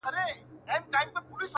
د ورورولۍ په معنا.